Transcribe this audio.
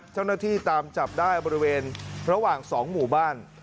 เจ้าหน้าที่ตามจับได้บริเวณระหว่าง๒หมู่บ้าน